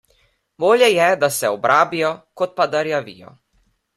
Bolje je, da se obrabijo, kot pa da rjavijo.